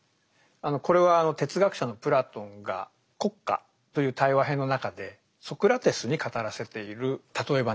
これは哲学者のプラトンが「国家」という対話篇の中でソクラテスに語らせている例え話ですね。